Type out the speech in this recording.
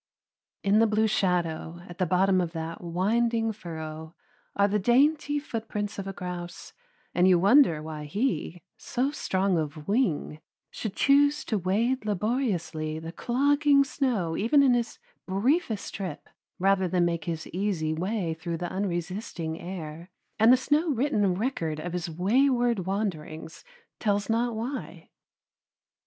In the blue shadow at the bottom of that winding furrow are the dainty footprints of a grouse, and you wonder why he, so strong of wing, should choose to wade laboriously the clogging snow even in his briefest trip, rather than make his easy way through the unresisting air, and the snow written record of his wayward wanderings tells not why.